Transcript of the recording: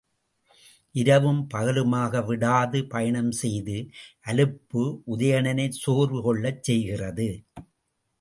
இரவும் பகலுமாக விடாது பயணம் செய்த அலுப்பு உதயணனைச் சோர்வு கொள்ளச் செய்திருந்தது.